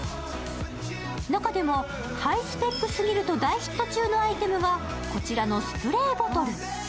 中でもハイスペックすぎると大ヒット中のアイテムがこちらのスプレーボトル。